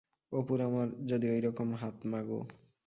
অপুর আমার যদি ওইরকম হাত-মাগো!